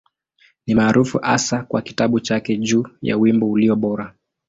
Ni maarufu hasa kwa kitabu chake juu ya Wimbo Ulio Bora.